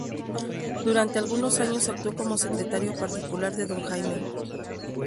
Durante algunos años actuó como secretario particular de Don Jaime.